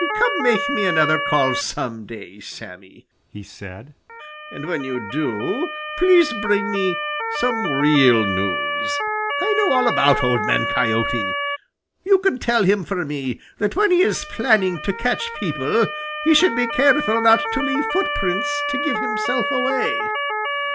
"Come make me another call some day, Sammy!" he said. "And when you do, please bring some real news. I know all about Old Man Coyote. You can tell him for me that when he is planning to catch people he should be careful not to leave footprints to give himself away."